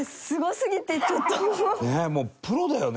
もうプロだよね。